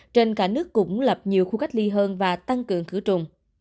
trên cả nước cũng lập nhiều khu cách ly hơn và tăng cường khử trùng